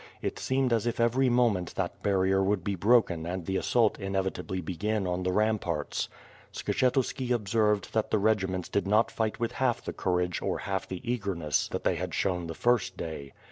It s(»emed as if every moment that barrier would be broken and the as sault inevitably begin on the ramparts. Sks^hetuski observed that the regiments did not fight with half the courage or half the eagerness that they had shown the first day.